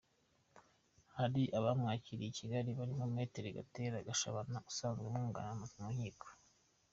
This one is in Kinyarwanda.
Hari abamwakiriye i Kigali barimo Maitre Gatera Gashabana usanzwe amwunganira mu Nkiko.